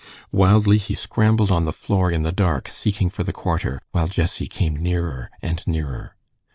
Wildly he scrambled on the floor in the dark, seeking for the quarter, while Jessie came nearer and nearer.